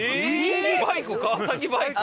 バイク川崎バイク？